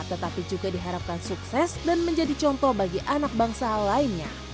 tetapi juga diharapkan sukses dan menjadi contoh bagi anak bangsa lainnya